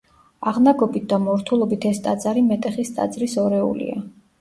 აღნაგობით და მორთულობით ეს ტაძარი მეტეხის ტაძრის ორეულია.